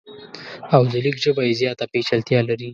او د لیک ژبه یې زیاته پیچلتیا لري.